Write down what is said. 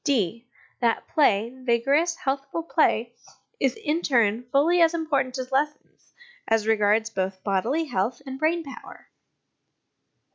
(d) That play, vigorous healthful play, is, in its turn, fully as important as lessons, as regards both bodily health and brain power.